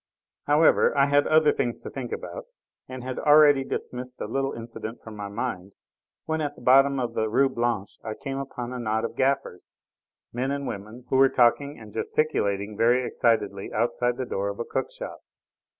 However, I had other things to think about, and had already dismissed the little incident from my mind, when at the bottom of the Rue Blanche I came upon a knot of gaffers, men and women, who were talking and gesticulating very excitedly outside the door of a cook shop.